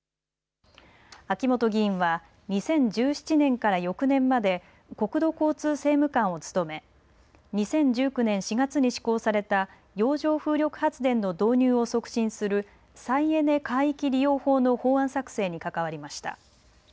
秋本議員は２０１７年から翌年まで国土交通政務官を務め２０１９年４月に施行された洋上風力発電の導入を促進する再エネ海域利用法の法案作成に関わりました。